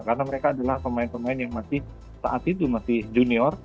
karena mereka adalah pemain pemain yang masih saat itu masih junior